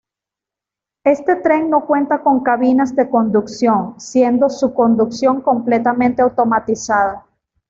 Este tren no cuenta con cabinas de conducción, siendo su conducción completamente automatizada.